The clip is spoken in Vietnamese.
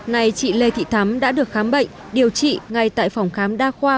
này chị lê thị thắm đã được khám bệnh điều trị ngay tại phòng khám đa khoa